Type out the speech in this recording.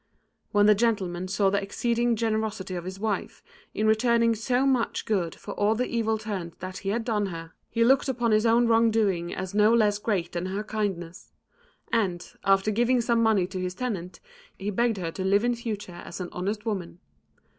When the gentleman saw the exceeding generosity of his wife in returning so much good for all the evil turns that he had done her, he looked upon his own wrongdoing as no less great than her kindness; and, after giving some money to his tenant, he begged her to live in future as an honest woman.